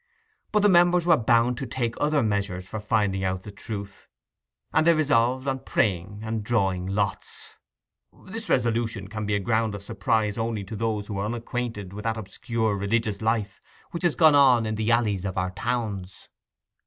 But the members were bound to take other measures for finding out the truth, and they resolved on praying and drawing lots. This resolution can be a ground of surprise only to those who are unacquainted with that obscure religious life which has gone on in the alleys of our towns.